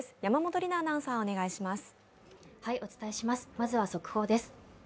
まずは速報です。